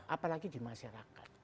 apalagi di masyarakat